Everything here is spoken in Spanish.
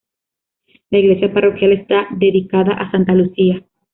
La iglesia parroquial está dedicada a Santa Lucía.